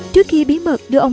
trước khi bí mật đưa ông